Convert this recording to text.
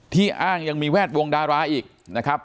อ้างยังมีแวดวงดาราอีกนะครับ